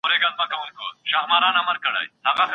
ایا تاسو نورو ته د تګ اجازه ورکوئ؟